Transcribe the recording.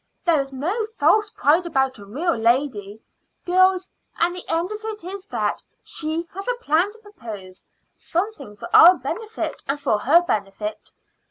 There is no false pride about a real lady, girls; and the end of it is that she has a plan to propose something for our benefit and for her benefit.